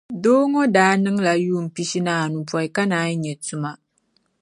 Doo ŋɔ daa niŋla yuun' pishi ni anu pɔi ka naan yi nyɛ tuma.